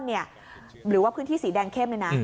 หรือว่าพื้นที่สีแดงเข้มเลยนะ